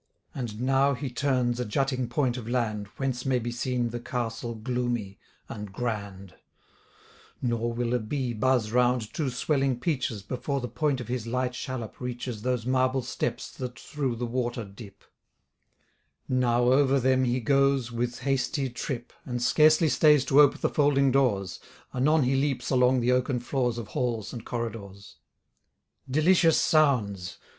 And now he turns a jutting point of land, Whence may be seen the castle gloomy, and grand: Nor will a bee buzz round two swelling peaches, Before the point of his light shallop reaches Those marble steps that through the water dip: Now over them he goes with hasty trip, And scarcely stays to ope the folding doors: Anon he leaps along the oaken floors Of halls and corridors. Delicious sounds!